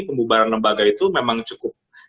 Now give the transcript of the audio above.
pembubaran lembaga itu memang cukup